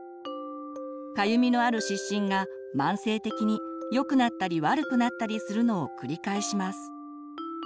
かゆみのある湿疹が慢性的によくなったり悪くなったりするのを繰り返します。